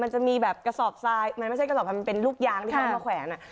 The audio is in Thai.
มันจะมีแบบกระสอบทรายมันไม่ใช่กระสอบมันเป็นลูกยางที่เขาเอามาแขวน